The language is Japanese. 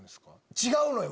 違うのよ！